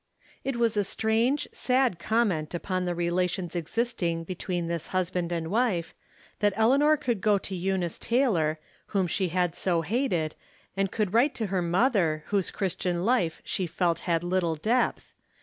It was a strange, sad comment upon tlie rela tions existing between tMs husband and wife, that Eleanor could go to Eunice Taylor, whom she had so hated, and could write to her mother,, whose Christian life she felt had little depth.